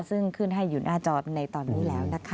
ซึ่งขึ้นให้อยู่หน้าจอในตอนนี้แล้วนะคะ